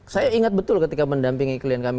saya ingat betul ketika mendampingi klien kami